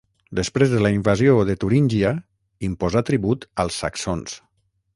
Després de la invasió de Turíngia, imposà tribut als saxons.